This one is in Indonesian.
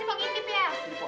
ini kan panggilnya cewek